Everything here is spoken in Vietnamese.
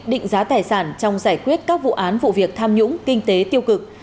định giá tài sản trong giải quyết các vụ án vụ việc tham nhũng kinh tế tiêu cực